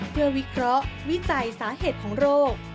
เพื่อวิเคราะห์วิจัยสาเหตุของโรค